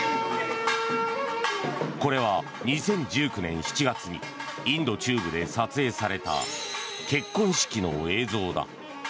これは２０１９年７月にインド中部で撮影された結婚式の映像だ。